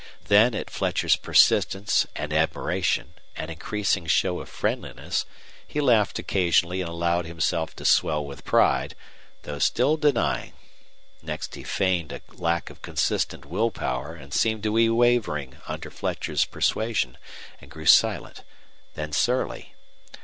Then at Fletcher's persistence and admiration and increasing show of friendliness he laughed occasionally and allowed himself to swell with pride, though still denying. Next he feigned a lack of consistent will power and seemed to be wavering under Fletcher's persuasion and grew silent, then surly.